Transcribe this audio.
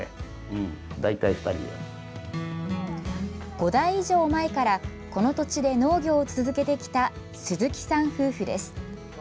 ５代以上前からこの土地で農業を続けてきた鈴木さん夫婦です。